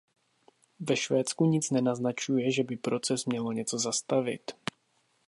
Ve Švédsku nic nenaznačuje, že by proces mělo něco zastavit.